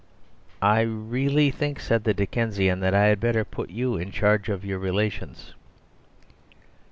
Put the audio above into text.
"I really think," said the Dickensian, "that I had better put you in charge of your relations."